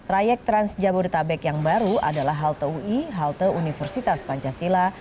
rayek trans jabodetabek yang baru adalah halte ui halte universitas pancasila